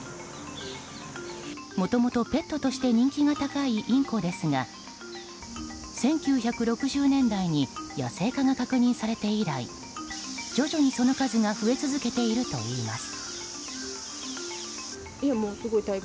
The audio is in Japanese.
もともとペットとして人気が高いインコですが１９６０年代に野生化が確認されて以来徐々にその数が増え続けているといいます。